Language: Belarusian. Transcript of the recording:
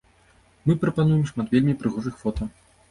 Мы прапануем шмат вельмі прыгожых фота!